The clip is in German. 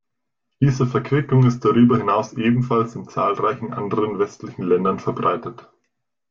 Diese Verquickung ist darüber hinaus ebenfalls in zahlreichen anderen westlichen Ländern verbreitet.